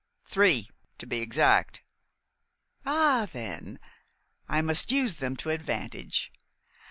"Three, to be exact." "Ah, then, I must use them to advantage.